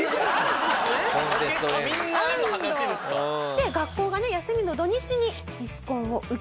で学校が休みの土日にミスコンを受けまくる。